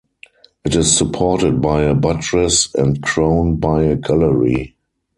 It is supported by a buttress and crowned by a gallery.